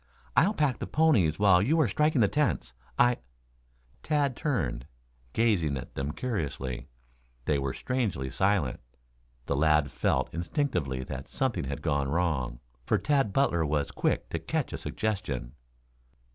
I'll pack the ponies while you are striking the tents. I " Tad turned, gazing at them curiously. They were strangely silent. The lad felt instinctively that something had gone wrong, for Tad Butler was quick to catch a suggestion.